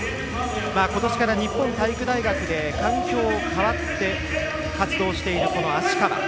ことしから日本体育大学で環境を変わって活動をしている芦川。